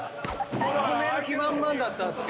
止める気満々だったんですけど。